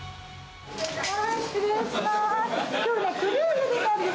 失礼しまーす。